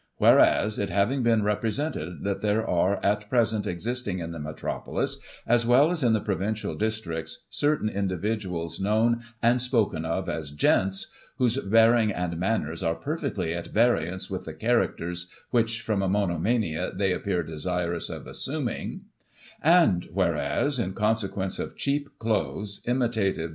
Whereas it having been represented that there are, at present existing in the Metropolis, as well as in the provincial districts, certain individuals known and spoken of as " Gents, whose bearing and manners are perfectly at variance with the characters, which, from a monomania, they appear desirous of assuming : And Whereas, in consequence of cheap clothes, imitative Digiti ized by Google 1843] THE "GENT."